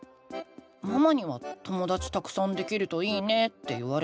ママには「ともだちたくさんできるといいね」って言われたけど。